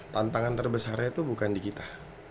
tantangan terbesarnya itu bukan di kita